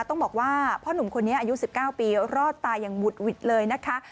ต้องบอกว่าพ่อหนุ่มคนนี้อายุ๑๙ปีรอดตายอย่างหุดหวิดเลยนะคะ